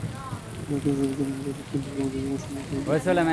প্রধান অতিথি ছিলেন জাসদ কেন্দ্রীয় কমিটির যুগ্ম সাধারণ সম্পাদক লোকমান আহমদ।